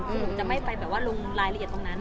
หนูก็จะไม่ไปลงรายละเอียดตรงนั้น